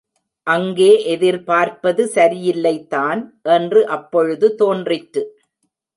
அங்கே எதிர்பார்ப்பது சரியில்லைதான் என்று அப்பொழுது தோன்றிற்று.